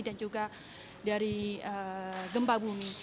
dan juga dari gempa bumi